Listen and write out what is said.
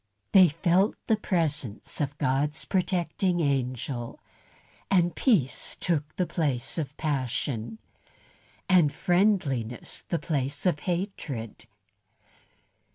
They felt the presence of God's protecting angel, and peace took the place of passion, and friendliness the place of hatred.